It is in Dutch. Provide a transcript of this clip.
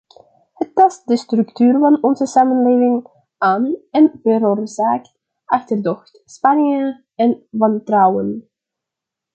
Het tast de structuur van onze samenleving aan en veroorzaakt achterdocht, spanningen en wantrouwen.